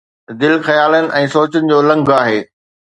دل خيالن ۽ سوچن جو لنگهه آهي